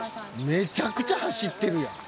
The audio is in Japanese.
めちゃくちゃ走ってるやん。